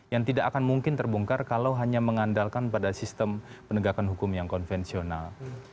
yang tidak akan mungkin terbongkar kalau hanya mengandalkan pada sistem penegakan hukum yang konvensional